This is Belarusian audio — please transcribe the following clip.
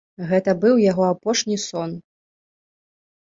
Гэта быў яго апошні сон.